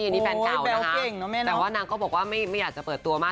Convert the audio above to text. แต่ว่านางบอกว้าไม่อยากจะเปิดตัวมา